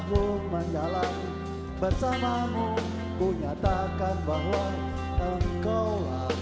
tuhan yang di dikanan ku